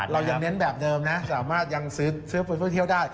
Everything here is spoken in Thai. เรายังเน้นแบบเดิมนะสามารถยังซึ้นพื้นทั่วเที่ยวได้